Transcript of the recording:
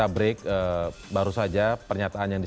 apakah ini adalah pernyataan novel